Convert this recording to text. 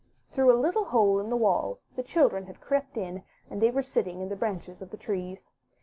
Through a little hole in the wall the children had crept in, and they were sitting in the branches of the trees.